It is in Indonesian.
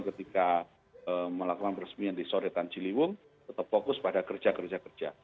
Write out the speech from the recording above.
ketika melakukan resmi yang disorotan ciliwung tetap fokus pada kerja kerja kerja